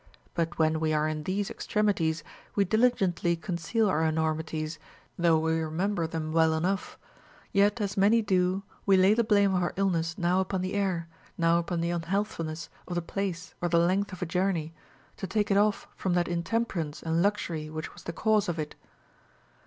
But when we are in these extremities, we diligently conceal our enormities, though we remember them well enough ; yet as many do, we lay the blame of our illness now upon the air, now upon the unhealthfulness of the place or the length of a journey, to take it off from that intemperance and luxury Avhich was the cause of it.